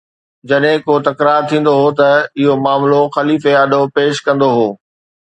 جڏهن ڪو تڪرار ٿيندو هو ته اهو معاملو خليفي آڏو پيش ڪندو هو